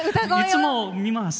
いつも見ます。